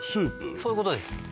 そういうことです